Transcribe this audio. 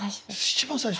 一番最初？